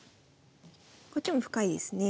こっちも深いですね。